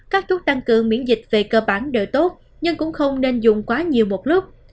các thuốc tăng cường miễn dịch về cơ bản đều tốt nhưng cũng không nên dùng quá nhiều một lúc